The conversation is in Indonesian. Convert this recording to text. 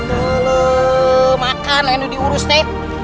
kalau makan ini diurus teh